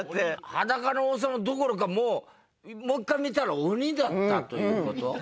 裸の王様どころかもうもう一回見たら鬼だったという事？